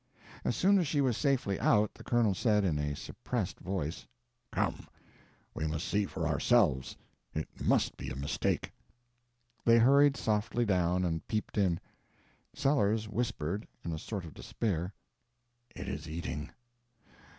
As soon as she was safely out, the Colonel said, in a suppressed voice: "Come—we must see for ourselves. It must be a mistake." They hurried softly down and peeped in. Sellers whispered, in a sort of despair— It is eating!